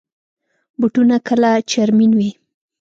بوټونه کله چرمین وي.